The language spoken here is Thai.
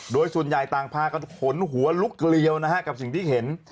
โดยส่วนใหญ่ต่างพากันขนหัวลุกเกลียวนะฮะกับสิ่งที่เห็น